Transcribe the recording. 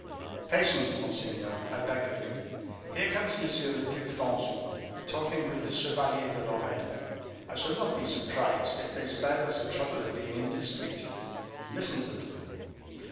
"Patience, monseigneur, I beg of you. Here comes M. le Duc d'Anjou, talking with the Chevalier de Lorraine; I should not be surprised if they spared us the trouble of being indiscreet. Listen to them."